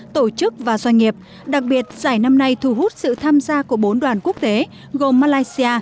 tổ chức và doanh nghiệp đặc biệt giải năm nay thu hút sự tham gia của bốn đoàn quốc tế gồm malaysia